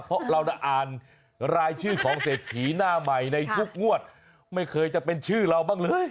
เพราะเราอ่านรายชื่อของเศรษฐีหน้าใหม่ในทุกงวดไม่เคยจะเป็นชื่อเราบ้างเลย